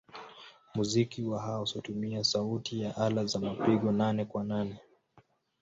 Muziki wa house hutumia sauti ya ala za mapigo nane-kwa-nane.